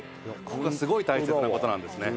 ここがすごい大切な事なんですね。